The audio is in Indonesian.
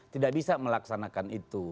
tidak bisa melaksanakan itu